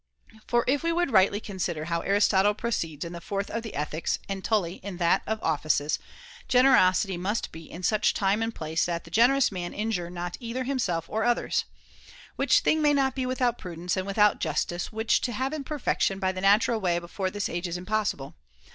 For if we would rightly consider [^iio]] how Aristotle proceeds in the fourth of the Ethics, and Tully in that Of Offices, generosity must be in such time and place that the generous man injure not either himself or others ! Which thing may not be without prudence and without justice, which to have in perfection by the natural way before this age is impossible.